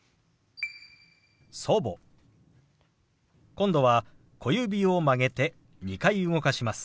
今度は小指を曲げて２回動かします。